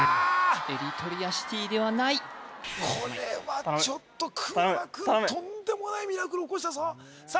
エリトリアシティではないこれはちょっと桑名君とんでもないミラクル起こしたぞさあ